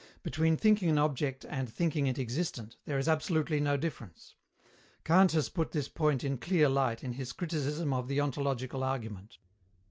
Between thinking an object and thinking it existent, there is absolutely no difference. Kant has put this point in clear light in his criticism of the ontological argument.